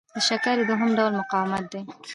د شکرې دوهم ډول مقاومت دی.